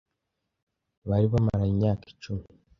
bari bamaranye imyaka cumi